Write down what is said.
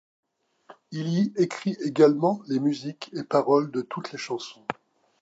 Il y écrit également les musiques et paroles de toutes les chansons.